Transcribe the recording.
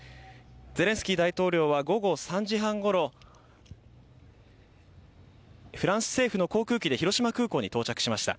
ゼレンスキー大統領は午後３時半ごろフランス政府の航空機で広島空港に到着しました。